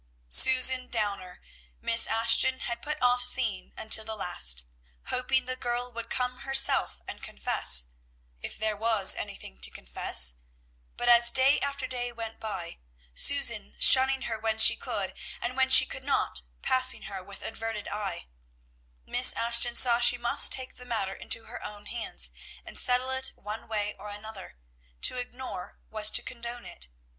Susan Downer, Miss Ashton had put off seeing until the last, hoping the girl would come herself and confess, if there was anything to confess; but as day after day went by, Susan shunning her when she could, and when she could not, passing her with averted face, Miss Ashton saw she must take the matter into her own hands and settle it one way or other; to ignore was to condone it.